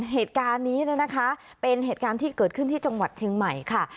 เหตุการณ์นี้เนี่ยนะคะเป็นเหตุการณ์ที่เกิดขึ้นที่จังหวัดเชียงใหม่ค่ะ